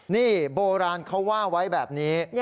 นี่โบราณเขาว่าไว้แบบนี้